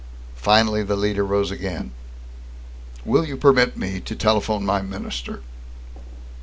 Finally the leader rose again. "Will you permit me to telephone my minister?"